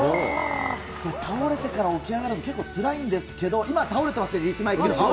これ、倒れてから起き上がるの結構つらいんですけど、今倒れてますね、リーチ・マイケルが。